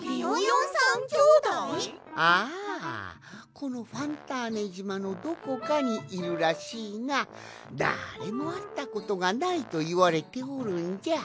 このファンターネじまのどこかにいるらしいがだれもあったことがないといわれておるんじゃ。